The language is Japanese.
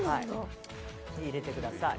入れてください。